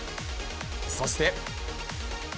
そして。